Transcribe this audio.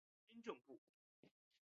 隶属于军政部。